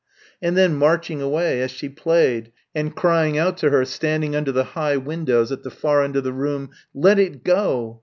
And then marching away as she played and crying out to her standing under the high windows at the far end of the room, "Let it go!